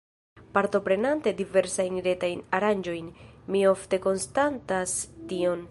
Partoprenante diversajn retajn aranĝojn, mi ofte konstatas tion.